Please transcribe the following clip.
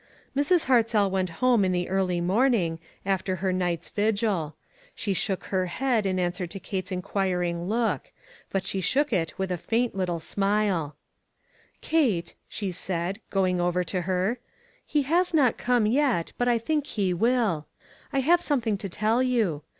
Mrs. Hartzell went home in the early morning, after her night's vigil. She shook ONE COMMONPLACE DAY. her head in answer to Kate's inquiring look ; but she shook it with a faint little smile. "Kate," she said, going over to her, "he has not come j et, but I think he will. I have something to tell you.